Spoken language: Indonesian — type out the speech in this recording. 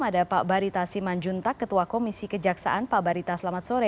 ada pak barita simanjuntak ketua komisi kejaksaan pak barita selamat sore